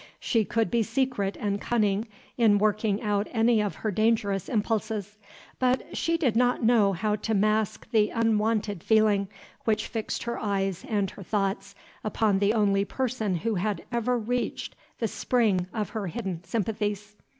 She could be secret and cunning in working out any of her dangerous impulses, but she did not know how to mask the unwonted feeling which fixed her eyes and her thoughts upon the only person who had ever reached the spring of her hidden sympathies.